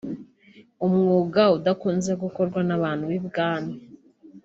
umwuga udakunze gukorwa n’abantu b’I Bwami